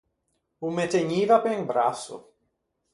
O me tegniva pe un brasso.